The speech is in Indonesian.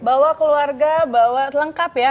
bawa keluarga bawa lengkap ya